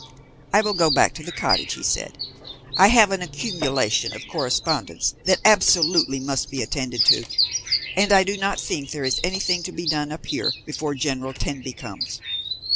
"I will go back to the cottage," he said; "I have an accumulation of correspondence that absolutely must be attended to, and I do not think there is anything to be done up here before General Tenby comes.